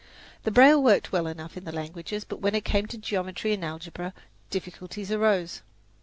The braille worked well enough in the languages, but when it came to geometry and algebra, difficulties arose.